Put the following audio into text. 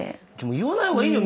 言わない方がいいよ